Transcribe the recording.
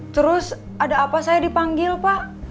terus ada apa saya dipanggil pak